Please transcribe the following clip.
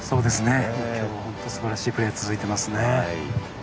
今日は、本当にすばらしいプレー続いていますね。